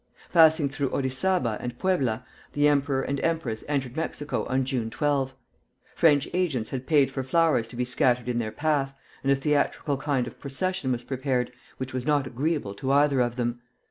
Passing through Orizaba and Puebla, the emperor and empress entered Mexico on June 12. French agents had paid for flowers to be scattered in their path, and a theatrical kind of procession was prepared, which was not agreeable to either of them.